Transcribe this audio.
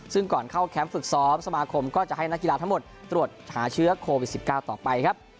ซึ่งก่อนเข้าแคมป์ฝึกซ้อมสมาคมก็จะให้นักกีฬาทั้งหมดตรวจหาเชื้อโควิด๑๙ต่อไปครับ